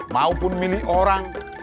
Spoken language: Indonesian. maupun milik orang